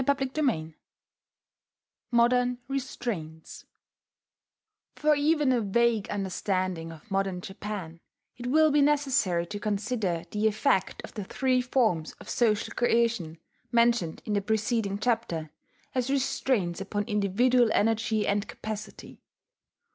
MODERN RESTRAINTS For even a vague understanding of modern Japan, it will be necessary to consider the effect of the three forms of social coercion, mentioned in the preceding chapter, as restraints upon individual energy and capacity.